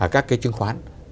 các cái chứng khoán phái xích này